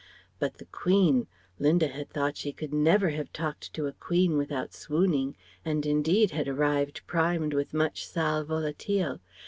But the Queen! Linda had thought she could never have talked to a Queen without swooning, and indeed had arrived primed with much sal volatile.